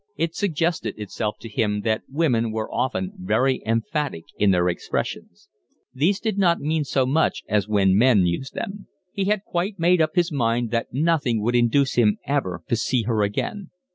It suggested itself to him that women were often very emphatic in their expressions. These did not mean so much as when men used them. He had quite made up his mind that nothing would induce him ever to see her again.